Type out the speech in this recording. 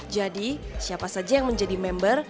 jadi siapa saja yang menjadi member